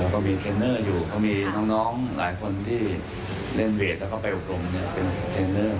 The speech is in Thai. ก็มีทรีเนอร์อยู่ก็มีน้องหลายคนที่เล่นเวทแล้วไปอุปกรณ์เนี่ย